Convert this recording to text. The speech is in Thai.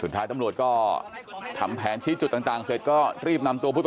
ท้ายตำรวจก็ทำแผนชี้จุดต่างเสร็จก็รีบนำตัวผู้ต้องหา